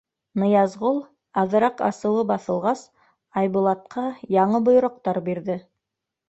Ныязғол, аҙыраҡ асыуы баҫылғас, Айбулатҡа яңы бойороҡтар бирҙе: